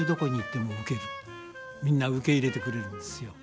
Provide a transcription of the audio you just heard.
みんな受け入れてくれるんですよ。